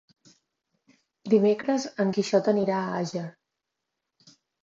Dimecres en Quixot anirà a Àger.